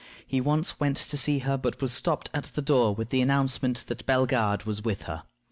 He once went to see her, but was stopped at the door with the announcement that Bellegarde was with her.